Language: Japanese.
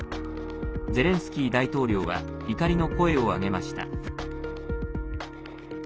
ゼレンスキー大統領は怒りの声を上げました。